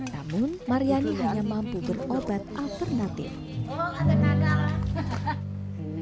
namun maryani hanya mampu berobat alternatif